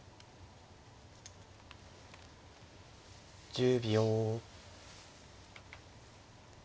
１０秒。